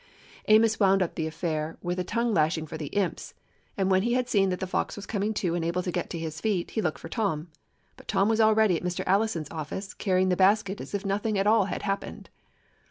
Amos wound up the affair with a tongue lashing for the imps; and when he had seen that the fox was coming to and able to get to his feet, he looked for Tom. But Tom was already at Mr. Allison's office, carrying the basket as if nothing at all had happened.